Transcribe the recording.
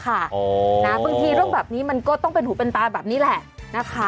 บางทีเรื่องแบบนี้มันก็ต้องเป็นหูเป็นตาแบบนี้แหละนะคะ